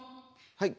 はい。